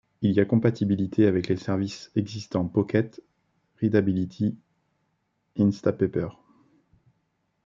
Il y a compatibilité avec les services existants Pocket, Readability, Instapaper.